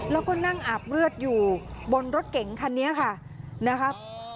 แล้วก็นั่งอาบเลือดอยู่บนรถเก๋งคันนี้ค่ะนะครับ